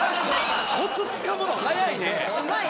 コツつかむの早いね。